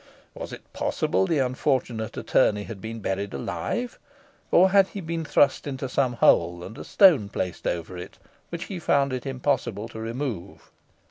Was it possible the unfortunate attorney had been buried alive? Or had he been thrust into some hole, and a stone placed over it, which he found it impossible to remove?